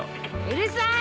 うるさい！